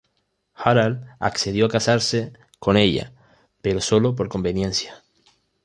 Harald accedió a casarse con ella, pero solo por conveniencia.